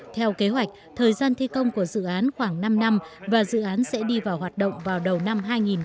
theo kế hoạch thời gian thi công của dự án khoảng năm năm và dự án sẽ đi vào hoạt động vào đầu năm hai nghìn hai mươi